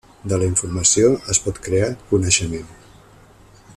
De la informació, es pot crear coneixement.